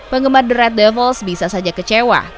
penggemar the red devels bisa saja kecewa